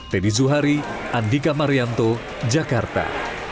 teddy zuhari andika marianto jakarta